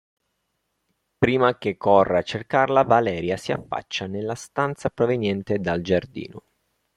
Prima che corra a cercarla, Valeria si affaccia nella stanza proveniente dal giardino.